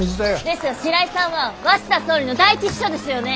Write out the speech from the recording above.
ですが白井さんは鷲田総理の第一秘書ですよね？